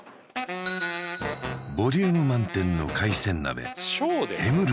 ボリューム満点の海鮮鍋